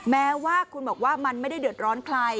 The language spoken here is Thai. แม้ว่าคุณบอกว่ามันไม่ได้เดือดร้อนใคร